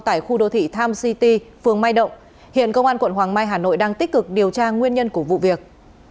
tại khu đô thị tham city phường mai động hiện công an quận hoàng mai hà nội đang tích cực điều tra nguyên nhân của vụ việc